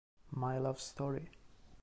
My Love Story!!